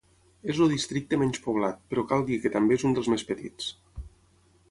És el districte menys poblat, però cal dir que també és un dels més petits.